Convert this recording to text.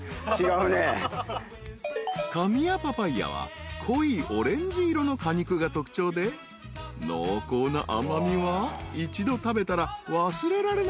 ［カミヤパパイアは濃いオレンジ色の果肉が特徴で濃厚な甘味は一度食べたら忘れられなくなるほど］